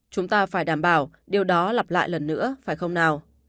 chúng ta phải đảm bảo điều đó lặp lại lần nữa phải không nào